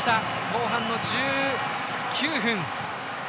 後半の１９分。